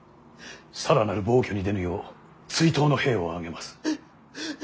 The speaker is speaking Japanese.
更なる暴挙に出ぬよう追討の兵を挙げます。